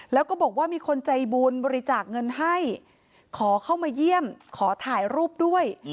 แล้วก็บอกว่ามีคนใจบุญบริจาคเงินให้ขอเข้ามาเยี่ยมขอถ่ายรูปด้วย